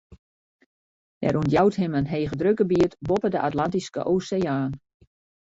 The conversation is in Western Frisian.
Der ûntjout him in hegedrukgebiet boppe de Atlantyske Oseaan.